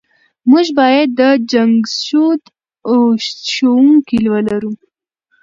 موږ بايد د جنګښود ښوونځی ولرو .